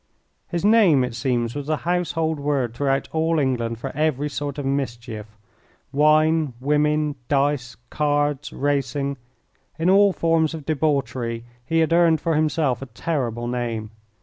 His name, it seems, was a household word throughout all England for every sort of mischief. Wine, women, dice, cards, racing in all forms of debauchery he had earned for himself a terrible name.